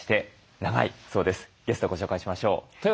ゲストをご紹介しましょう。